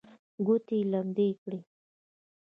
ګوتې یې لمدې کړې.